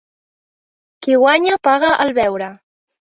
Qui guanya paga el beure.